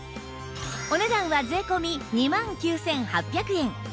お値段は税込２万９８００円